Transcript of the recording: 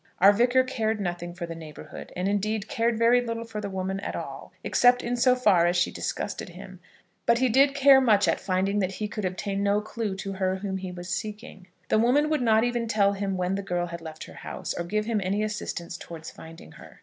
Our Vicar cared nothing for the neighbourhood, and, indeed, cared very little for the woman at all, except in so far as she disgusted him; but he did care much at finding that he could obtain no clue to her whom he was seeking. The woman would not even tell him when the girl had left her house, or give him any assistance towards finding her.